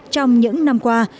trong những năm qua